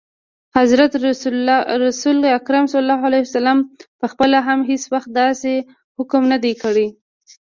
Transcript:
حضرت رسول اکرم ص پخپله هم هیڅ وخت داسي حکم نه دی کړی.